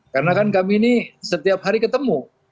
karena kan kami ini setiap hari ketemu